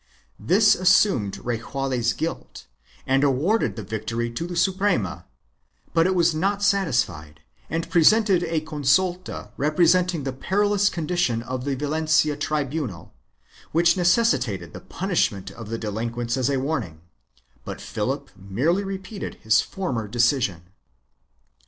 This assumed Rejaule's guilt and awarded the victory to the Suprema, but it was not satisfied and presented a consulta representing the perilous condition of the Valencia tribunal, which necessitated the punishment of the delinquents as a warning, but Philip merely repeated his former decision.